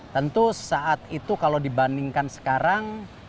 tentu saat itu kalau dibandingkan sekarang